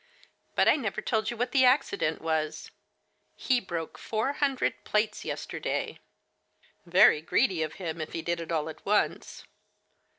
But I never told you what the accident was. He broke four hundred plates yesterday !'*" Very greedy of him if he did it all at once."